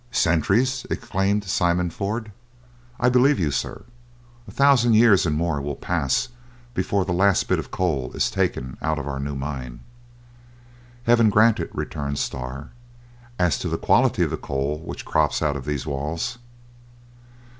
"Centuries!" exclaimed Simon Ford; "I believe you, sir! A thousand years and more will pass before the last bit of coal is taken out of our new mine!" "Heaven grant it!" returned Starr. "As to the quality of the coal which crops out of these walls?"